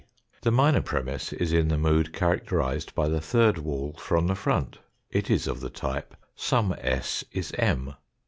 The minor premiss is in the mood characterised by the third wall from the front. It is of the type some s is M.